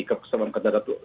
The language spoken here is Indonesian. kepeseruan kandarat itu